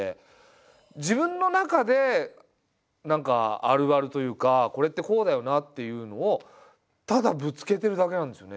自分の中で何かあるあるというかこれってこうだよなっていうのをただぶつけてるだけなんですよね。